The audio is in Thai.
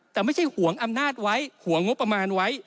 แต่ไม่ใช่ห่วงอำนาจไว้ห่วงงบประมาณไว้